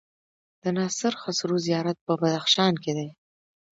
د ناصر خسرو زيارت په بدخشان کی دی